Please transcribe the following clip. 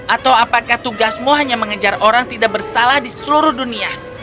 atau apakah tugasmu hanya mengejar orang tidak bersalah di seluruh dunia